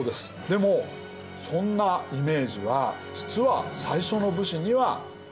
でもそんなイメージは実は最初の武士には当てはまりません。